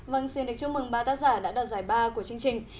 vâng xin được chúc mừng ba tác giả đã đoạt giải ba của chương trình